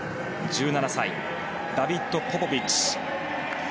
１７歳、ダビッド・ポポビッチ。